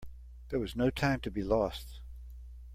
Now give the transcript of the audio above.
There was no time to be lost.